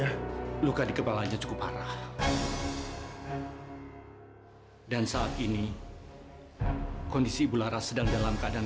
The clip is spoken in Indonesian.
itu lordapafanthe dari kamis tuikan